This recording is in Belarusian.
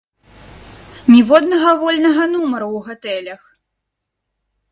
Ніводнага вольнага нумара ў гатэлях!